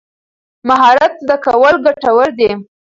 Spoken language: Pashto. مهارت زده کول ګټور دي.